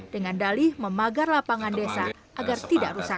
dengan dalih memagar lapangan desa agar tidak rusak